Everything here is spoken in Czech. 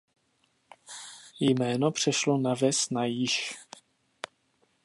Jméno přešlo na ves na již.